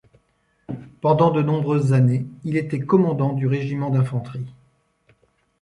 Pendant de nombreuses années, il était commandant du régiment d'infanterie.